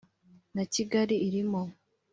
na Kigali irimo